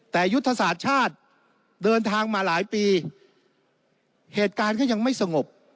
แต่ยุทธศาสตร์ชาติเดินทางมาหลายปีเหตุการณ์ก็ยังไม่สงบ